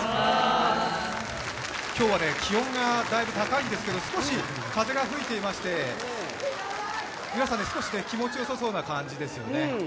今日は気温がだいぶ高いんですけど、少し風が吹いていまして皆さん少し気持ちよさそうな感じですよね。